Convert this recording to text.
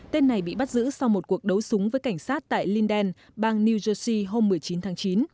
tên này bị bắt giữ sau một cuộc đấu súng với cảnh sát tại linden bang new jersey hôm một mươi chín tháng chín